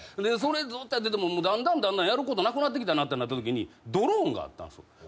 でそれずっとやっててもだんだんだんだんやることなくなってきたなってなったときにドローンがあったんですよ。